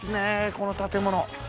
この建物。